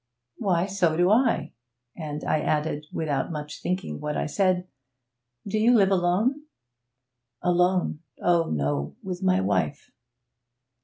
'Why, so do I,' and I added, without much thinking what I said, 'do you live alone?' 'Alone? oh no. With my wife.'